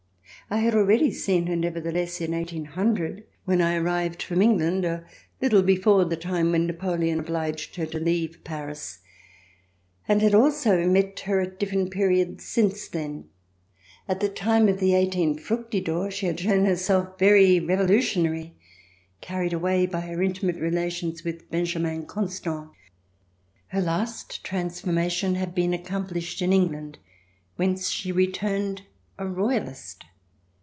I had already seen her, never theless, in 1800, when I arrived from England, a little before the time when Napoleon obliged her to leave Paris, and had also met her at different periods [ 398 ] THE FIRST RKSTORATION since then. At the time of the i8 Fructidor, she had shown herself very Revolutionary, carried away by her intimate relations with Benjamin Constant. Her last transformation had been accomplished in Eng land whence she returned a Royalist.